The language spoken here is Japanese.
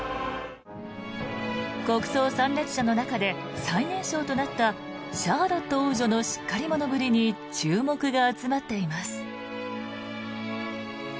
国葬参列者の中で最年少となったシャーロット王女のしっかり者ぶりに注目が集まっています。